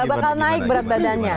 bakal naik berat badannya